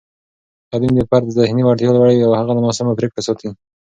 تعلیم د فرد ذهني وړتیا لوړوي او هغه له ناسمو پرېکړو ساتي.